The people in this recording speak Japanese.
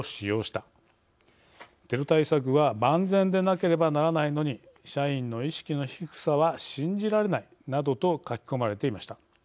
「テロ対策は万全でなければならないのに社員の意識の低さは信じられない」などと書きこまれていました。